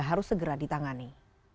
harus segera ditangani